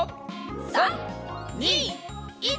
３２１。